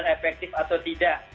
efektif atau tidak